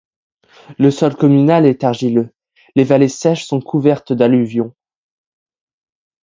Le sol communal est argileux, les vallées sèches sont couvertes d'alluvions.